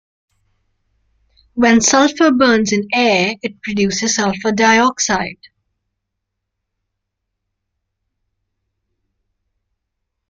When sulfur burns in air, it produces sulfur dioxide.